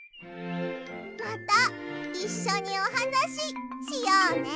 またいっしょにおはなししようね。